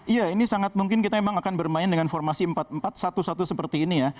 iya ini sangat mungkin kita memang akan bermain dengan formasi empat empat satu satu seperti ini ya